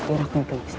ibu aku yang kelihatan